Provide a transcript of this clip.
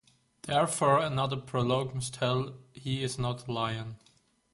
Therefore another prologue must tell he is not a lion.